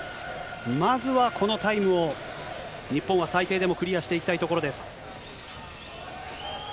まずはこのタイムを、日本は最低でもクリアしていきたいところです。